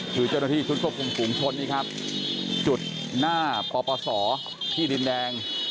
คือเจ้าหน้าที่ชุดควบคุมฝูงชนนี่ครับจุดหน้าปปศที่ดินแดง